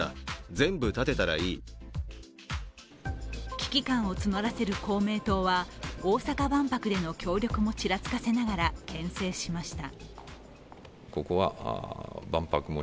危機感を募らせる公明党は大阪万博での協力もちらつかせながらけん制しました。